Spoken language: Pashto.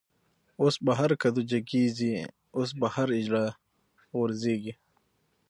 اوس په هر کدو جګيږی، اوس په هر” اجړا” خوريږی